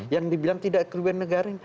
yang dibilang tidak kerugian negara ini